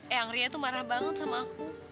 eh ang ria tuh marah banget sama aku